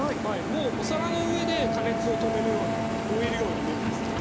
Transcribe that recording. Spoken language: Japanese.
もうお皿の上で加熱を止めるような終えるようなイメージですね。